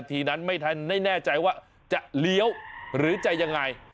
ทีนั้นไม่ทันไม่แน่ใจว่าจะเลี้ยวหรือจะยังไง